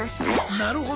なるほど。